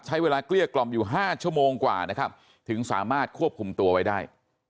เกลี้ยกล่อมอยู่๕ชั่วโมงกว่านะครับถึงสามารถควบคุมตัวไว้ได้